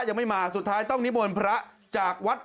ไอ้เขาไม่ได้กินจัดยา